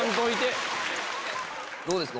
どうですか？